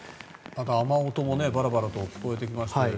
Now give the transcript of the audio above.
雨音もバラバラと聞こえてきましたけど